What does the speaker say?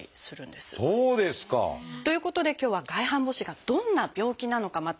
そうですか！ということで今日は外反母趾がどんな病気なのか。